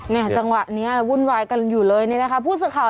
นี่จังหวะนี้วุ่นไว่กันอยู่เลยนี่นะคะพูดสุข่าว